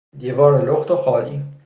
دیوار لخت و خالی